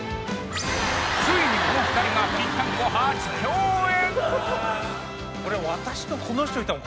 ついにこの２人がぴったんこ初共演！